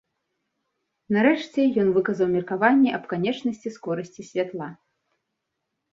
Нарэшце, ён выказаў меркаванне аб канечнасці скорасці святла.